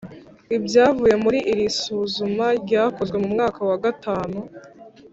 ibyavuye muri iri suzuma ryakozwe mu mwaka wa gatanu